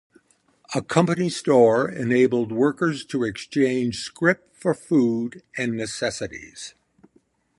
A company store enabled workers to exchange scrip for food and necessities.